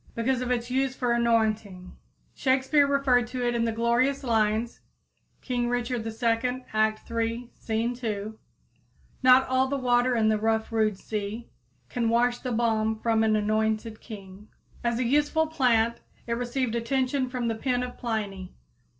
Because of its use for anointing, Shakespeare referred to it in the glorious lines (King Richard II., act iii, scene 2): "Not all the water in the rough, rude sea Can wash the balm from an anointed king." As a useful plant it received attention from the pen of Pliny.